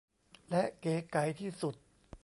และเก๋ไก๋ที่สุด